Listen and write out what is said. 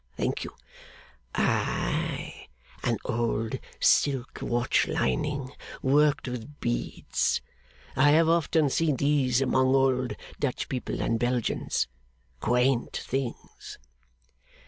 Thank you. Aye? An old silk watch lining, worked with beads! I have often seen these among old Dutch people and Belgians. Quaint things!